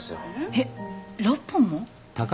えっ６本も！？